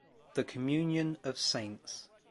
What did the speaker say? the communion of saints